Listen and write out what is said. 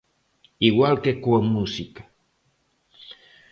Igual que coa música.